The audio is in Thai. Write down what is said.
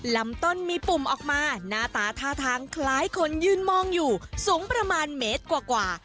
ลำต้นมีปุ่มออกมาหน้าตาท่าทางคล้ายคนยืนมองอยู่สูงประมาณเมตรกว่า